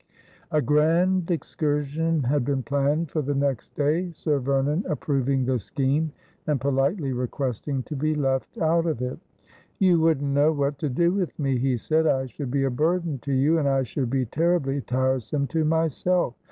A grand excursion had been planned for the next day. Sir Vernon approving the scheme, and politely requesting to be left out of it. ' You wouldn't know what to do with me,' he said. ' I should be a burden to you, and I should be terribly tiresome to myself.